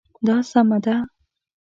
دا سمه ده